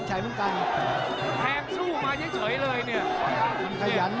ปิดเหลี่ยงสู้ด้วยแรงแม่ง